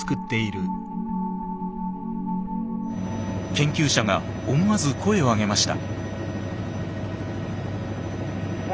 研究者が思わず声を上げました。